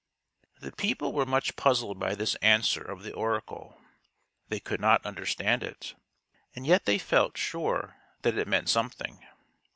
The people were much puzzled by this answer of the oracle. They could not understand it, and yet they felt sure that it meant something.